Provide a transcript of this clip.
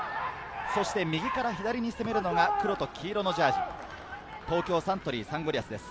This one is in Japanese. そして右から左に攻めるのが黒と黄色のジャージー、東京サントリーサンゴリアスです。